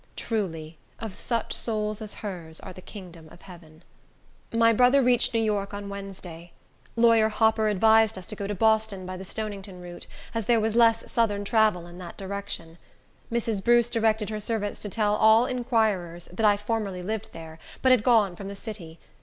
Truly, of such souls as hers are the kingdom of heaven. My brother reached New York on Wednesday. Lawyer Hopper advised us to go to Boston by the Stonington route, as there was less Southern travel in that direction. Mrs. Bruce directed her servants to tell all inquirers that I formerly lived there, but had gone from the city.